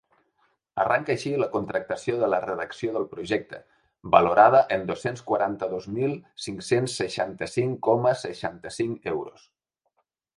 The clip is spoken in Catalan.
Arranca així la contractació de la redacció del projecte, valorada en dos-cents quaranta-dos mil cinc-cents seixanta-cinc coma seixanta-cinc euros.